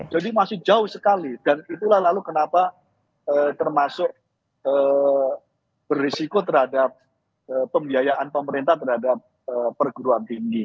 jadi masih jauh sekali dan itulah lalu kenapa termasuk berisiko terhadap pembiayaan pemerintah terhadap perguruan tinggi